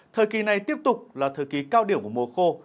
thời kỳ này tiếp tục là thời kỳ cao điểm của mùa khô